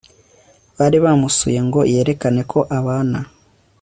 bari bamusuye ngo yerekane ko abana